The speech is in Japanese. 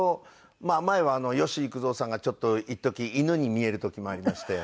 前は吉幾三さんがちょっといっとき犬に見える時もありまして。